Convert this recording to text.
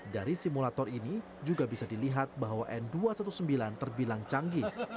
dari simulator ini juga bisa dilihat bahwa n dua ratus sembilan belas terbilang canggih